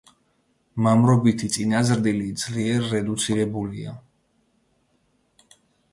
მამრობითი წინაზრდილი ძლიერ რედუცირებულია.